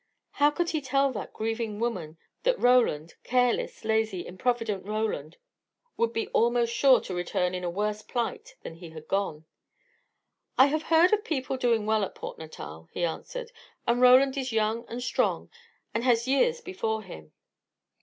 How could he tell that grieving woman, that Roland careless, lazy, improvident Roland would be almost sure to return in a worse plight than he had gone? "I have heard of people doing well at Port Natal," he answered; "and Roland is young and strong, and has years before him."